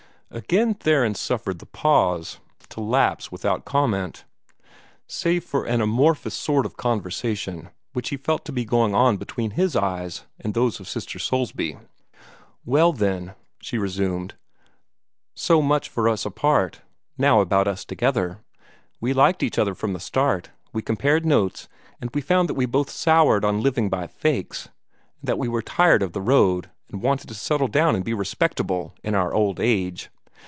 Again Theron suffered the pause to lapse without comment save for an amorphous sort of conversation which he felt to be going on between his eyes and those of Sister Soulsby. "Well, then," she resumed, "so much for us apart. Now about us together. We liked each other from the start. We compared notes, and we found that we had both soured on living by fakes, and that we were tired of the road, and wanted to settle down and be respectable in our old age.